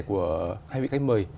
của hai vị khách mời